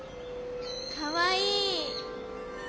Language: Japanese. かわいい。